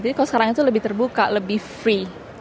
kalau sekarang itu lebih terbuka lebih free